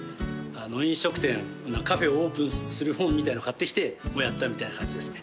飲食店カフェをオープンする本みたいなの買ってきてやったみたいな感じですね。